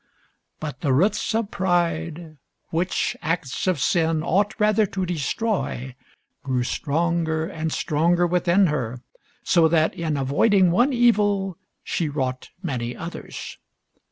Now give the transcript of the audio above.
But the roots of pride, which acts of sin ought rather to destroy, grew stronger and stronger within her, so that in avoiding one evil she wrought many others.